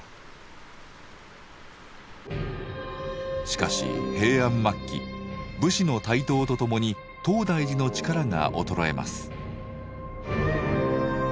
しかし平安末期武士の台頭とともに東大寺の力が衰えます。